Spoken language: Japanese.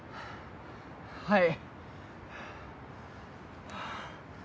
はい。